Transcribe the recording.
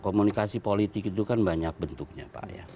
komunikasi politik itu kan banyak bentuknya pak ya